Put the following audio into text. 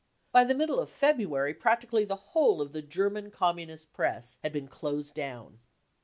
By the middle of February practically the whole of the German r Communist Press ha d been closed down.